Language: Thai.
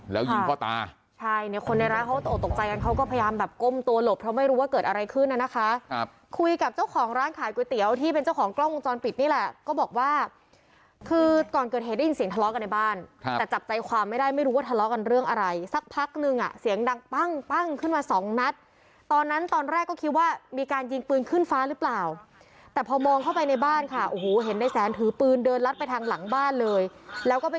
แล้วยิงพ่อตาใช่เนี่ยคนในรักเขาตกตกใจกันเขาก็พยายามแบบก้มตัวหลบเขาไม่รู้ว่าเกิดอะไรขึ้นน่ะนะคะครับคุยกับเจ้าของร้านขายก๋วยเตี๋ยวที่เป็นเจ้าของกล้องมุมจรปิดนี่แหละก็บอกว่าคือก่อนเกิดเหตุได้ยินเสียงทะเลาะกันในบ้านแต่จับใจความไม่ได้ไม่รู้ว่าทะเลาะกันเรื่องอะไรสักพักนึงอ่ะเสี